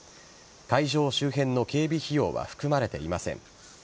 会場周辺の警備費用は含まれていません。